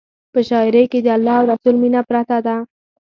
په شاعرۍ کې د الله او رسول مینه پرته ده.